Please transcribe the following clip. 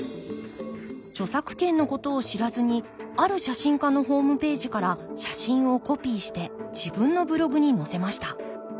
著作権のことを知らずにある写真家のホームページから写真をコピーして自分のブログに載せました。